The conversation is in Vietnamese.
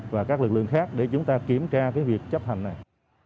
và các lực lượng khác để chúng ta kiểm tra cái việc chấp hành này